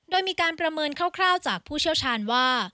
โดยมีการประเมินคร่าวจากผู้เชี่ยวชาญว่า